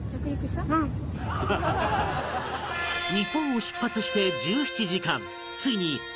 日本を出発して１７時間